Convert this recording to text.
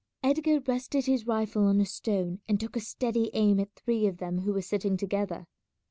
Edgar rested his rifle on a stone and took a steady aim at three of them who were sitting together.